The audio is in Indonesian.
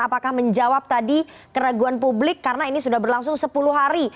apakah menjawab tadi keraguan publik karena ini sudah berlangsung sepuluh hari